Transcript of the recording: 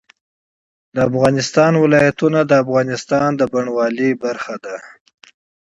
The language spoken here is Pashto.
د افغانستان ولايتونه د افغانستان د بڼوالۍ برخه ده.